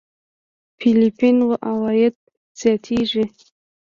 فېليپين عوايد زياتېږي.